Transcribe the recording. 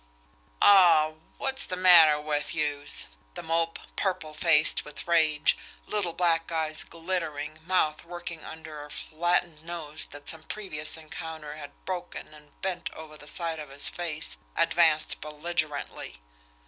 "Aw, wot's the matter wid youse!" The Mope, purple faced with rage, little black eyes glittering, mouth working under a flattened nose that some previous encounter had broken and bent over the side of his face, advanced belligerently.